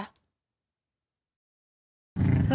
สวัสดีครับ